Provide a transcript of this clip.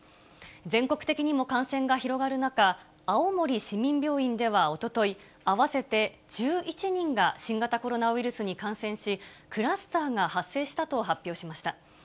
全国的にも感染が広がる中、青森市民病院ではおととい、合わせて１１人が新型コロナウイルスに感染し、クラスターが発生したと発表しました。